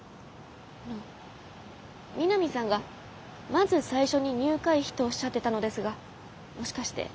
あの三並さんがまず最初に入会費とおっしゃってたのですがもしかして。